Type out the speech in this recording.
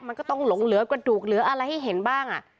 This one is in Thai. มันก็ต้องหลงเหลือกระดูกเหลืออะไรให้เห็นบ้าง